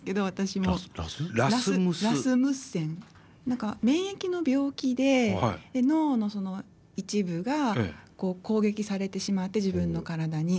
何か免疫の病気で脳の一部が攻撃されてしまって自分の体に。